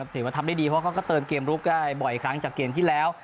ถือว่าทำได้ดีเพราะเขาก็เติมเกมลุกได้บ่อยครั้งจากเกมที่แล้ว